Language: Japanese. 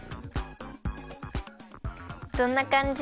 どんなかんじ？